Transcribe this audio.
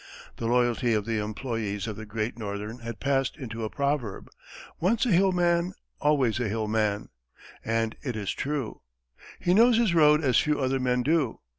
The loyalty of the employes of the Great Northern has passed into a proverb, "Once a Hill man, always a Hill man," and it is true. He knows his road as few other men do.